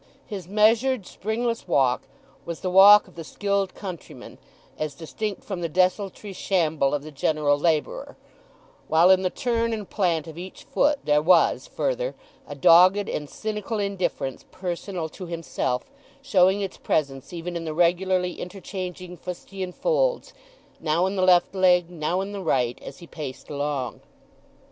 His measured, springless walk was the walk of the skilled countryman as distinct from the desultory shamble of the general labourer; while in the turn and plant of each foot there was, further, a dogged and cynical indifference personal to himself, showing its presence even in the regularly interchanging fustian folds, now in the left leg, now in the right, as he paced along.